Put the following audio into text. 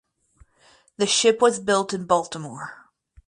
The ship was built in Baltimore.